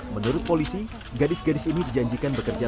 menurut polisi gadis gadis ini dijanjikan bekerja